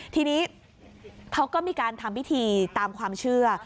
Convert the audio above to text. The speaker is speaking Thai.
ทีนี้เขาก็มีการทำพิธีตามความเชื่อ